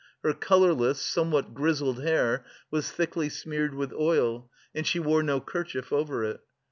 Her colourless, somewhat grizzled hair was thickly smeared with oil, and she wore no kerchief over it.